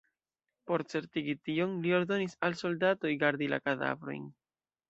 Por certigi tion, li ordonis al soldatoj gardi la kadavrojn.